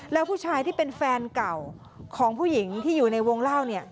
แล้วผู้ชายที่เป็นแฟนเก่าของผู้หญิงที่อยู่ในวงเล่าเนี่ย